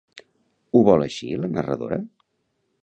Ho vol així la narradora?